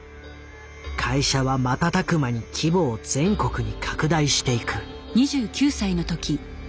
会社は瞬く間に規模を全国に拡大していく。